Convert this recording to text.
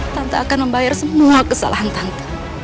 tanpa akan membayar semua kesalahan tante